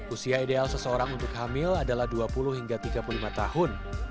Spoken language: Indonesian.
usia ideal seseorang untuk hamil adalah dua puluh hingga tiga puluh lima tahun